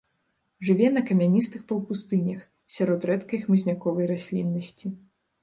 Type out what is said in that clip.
Жыве на камяністых паўпустынях, сярод рэдкай хмызняковай расліннасці.